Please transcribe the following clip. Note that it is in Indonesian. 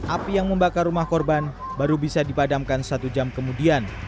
api yang membakar rumah korban baru bisa dipadamkan satu jam kemudian